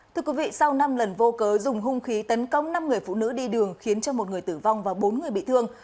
thưa quý vị sau năm lần vô cớ dùng hung khí tấn công năm người phụ nữ đi đường khiến cho một người tử vong và bốn người bị thương